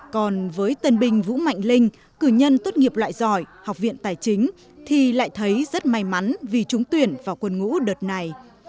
còn với tân binh vũ mạnh linh cử nhân tốt nghiệp loại giỏi học viện tài chính thì lại thấy rất may mắn vì trúng tuyển vào quân ngũ đợt này